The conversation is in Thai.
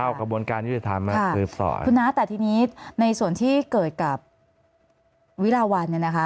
ข้าวกระบวนการยุทธภัณฑ์คุณนัทแต่ทีนี้ในส่วนที่เกิดกับวิราวัน